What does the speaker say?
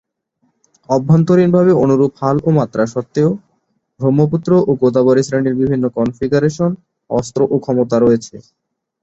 অভ্যন্তরীণভাবে অনুরূপ হাল ও মাত্রা সত্ত্বেও, ব্রহ্মপুত্র ও গোদাবরী শ্রেণির বিভিন্ন কনফিগারেশন, অস্ত্র ও ক্ষমতা রয়েছে।